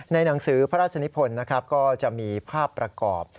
หนังสือพระราชนิพลนะครับก็จะมีภาพประกอบ